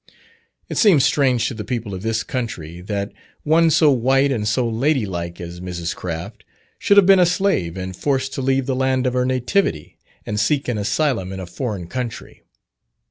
It seems strange to the people of this county, that one so white and so lady like as Mrs. Craft, should have been a slave and forced to leave the land of her nativity and seek an asylum in a foreign country.